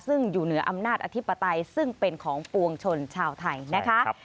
ซึ่งอยู่เหนืออำนาจอธิปไตยซึ่งเป็นของปวงชนชาวไทยนะคะ